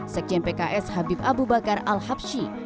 sekjen pks habib abu bakar al habshi